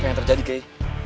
kayaknya terjadi kay